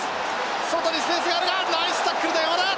外にスペースがあるがナイスタックルだ山田！